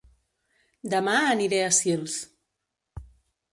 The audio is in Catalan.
Dema aniré a Sils